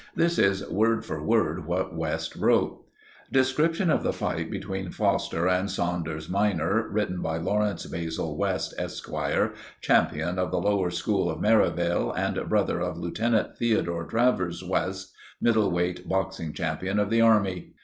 This is word for word what West wrote— "Description of the fight between Foster and Saunders minor, written by Lawrence Basil West, Esquire, Champion of the Lower School of Merivale, and brother of Lieutenant Theodore Travers West, Middle weight Boxing Champion of the Army.